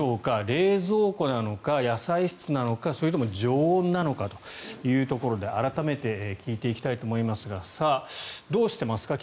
冷蔵庫なのか、野菜室なのかそれとも常温なのかというところで改めて聞いていきたいと思いますがどうしてますか？